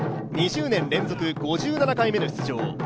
２０年連続５７回目の出場。